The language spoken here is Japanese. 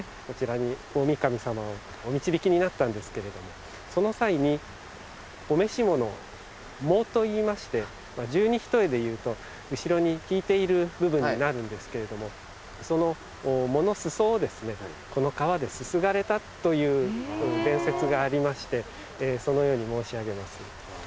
こちらに大御神さまをお導きになったんですけれどもその際にお召し物を裳といいまして十二単でいうと後ろに引いている部分になるんですけれどもその裳の裾をこの川ですすがれたという伝説がありましてそのように申し上げます。